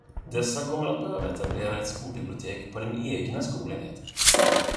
Dessa kommer att behöva etablera ett skolbibliotek på den egna skolenheten.